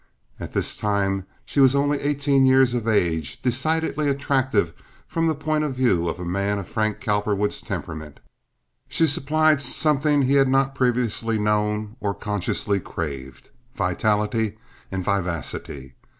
At this time she was only eighteen years of age—decidedly attractive from the point of view of a man of Frank Cowperwood's temperament. She supplied something he had not previously known or consciously craved. Vitality and vivacity.